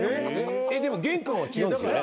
玄関は違うんですよね？